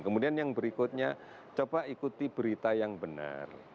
kemudian yang berikutnya coba ikuti berita yang benar